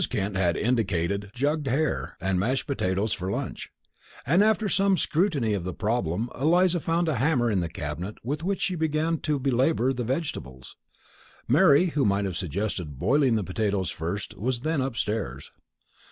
Kent had indicated jugged hare and mashed potatoes for lunch, and after some scrutiny of the problem Eliza found a hammer in the cabinet with which she began to belabour the vegetables. Mary, who might have suggested boiling the potatoes first, was then upstairs.